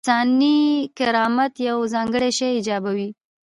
انساني کرامت یو ځانګړی شی ایجابوي.